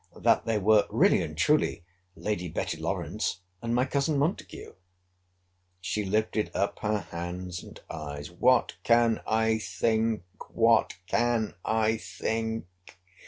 ] that they were really and truly Lady Betty Lawrance and my cousin Montague. She lifted up her hands and eyes—What can I think!—what can I think!